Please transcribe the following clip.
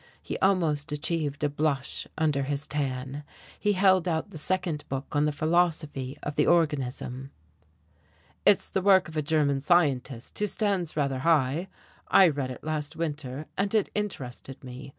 He almost achieved a blush under his tan. He held out the second book on the philosophy of the organism. "It's the work of a German scientist who stands rather high. I read it last winter, and it interested me.